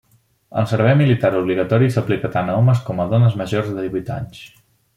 El servei militar obligatori s'aplica tant a homes com a dones majors de divuit anys.